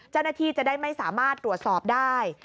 เจ้าหน้าที่จะได้ไม่สามารถตรวจสอบได้